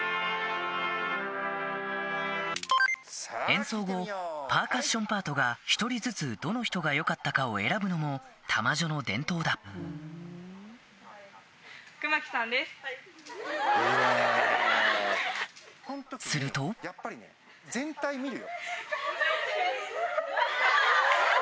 演奏後パーカッションパートが１人ずつどの人が良かったかを選ぶのも玉女の伝統だすると泣いてる。